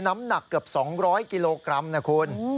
น้ำหนักเกือบ๒๐๐กิโลกรัมนะคุณ